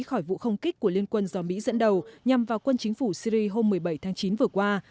khỏi vụ không kích của liên quân do mỹ dẫn đầu nhằm vào quân chính phủ syri hôm một mươi bảy tháng chín vừa qua